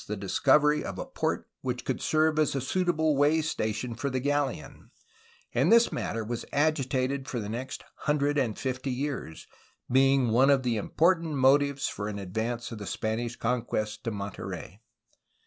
96 A HISTORY OF CALIFORNIA covery of a port which could serve as a suitable way station for the galleon, and this matter was agitated for the next hundred and fifty years, being one of the important motives for an advance of the Spanish conquest to Monterey.